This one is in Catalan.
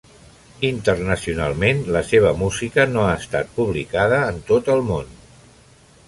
Internacionalment, la seva música no ha estat publicada en tot el món.